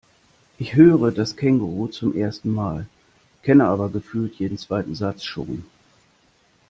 Ich höre das Känguruh zum ersten Mal, kenne aber gefühlt jeden zweiten Satz schon.